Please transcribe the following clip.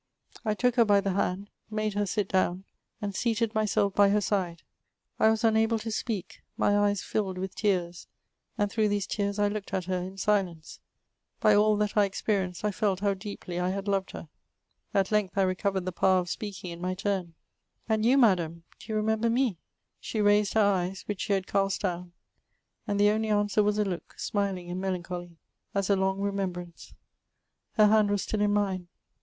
I took her by the hand — made her sit down — and seated myself by her side ; I was unable to speak — my eyes filled with tears — and through these tears I looked at her in silence ; by all that I experienced, I felt how deeply I had lored her. At length I recovered the power of speidang in my turn :^' And you, Madam, do you remember me ? She raised her eyes, which she had cast down, and the only answer was a look, smiling and melancholy, as a long remembrance. Her hand was still in mine.